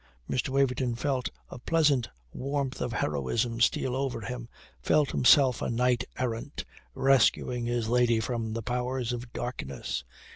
Mr. Waverton felt a pleasant warmth of heroism steal over him, felt himself a knight errant rescuing his lady from the powers of darkness.